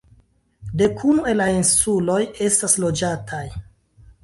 Dekunu el la insuloj estas loĝataj.